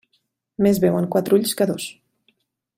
Més veuen quatre ulls que dos.